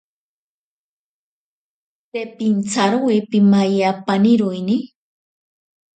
Te pintsarowe pimayi apaniroini.